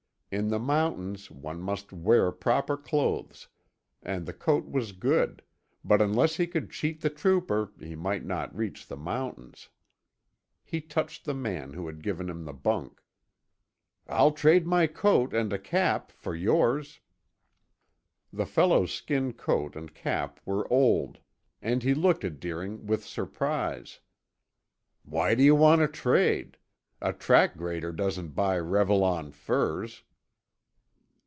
In the mountains one must wear proper clothes and the coat was good, but unless he could cheat the trooper he might not reach the mountains. He touched the man who had given him the bunk. "I'll trade my coat and cap for yours." The fellow's skin coat and cap were old, and he looked at Deering with surprise. "Why do you want to trade? A track grader doesn't buy Revillon furs."